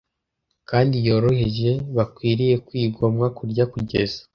kandi yoroheje, bakwiriye kwigomwa kurya kugeza